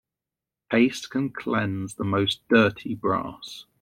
Paste can cleanse the most dirty brass.